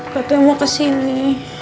gak tahu mau kesini